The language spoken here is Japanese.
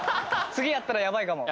次やったらやばいかも。